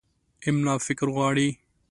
املا فکر غواړي.